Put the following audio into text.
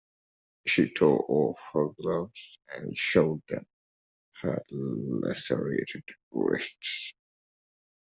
She tore off her gloves and showed them her lacerated wrists.